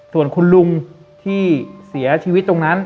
ส่วนคุณลุงที่เสียชีวิตตรงนั้น